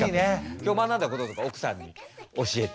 今日学んだこととか奥さんに教えて。